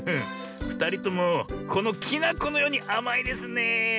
ふたりともこのきなこのようにあまいですねえ。